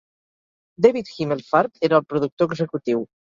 David Himelfarb era el productor executiu.